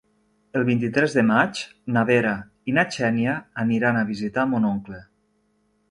El vint-i-tres de maig na Vera i na Xènia aniran a visitar mon oncle.